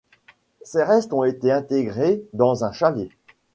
Ses restes ont été intégrés dans un châlet.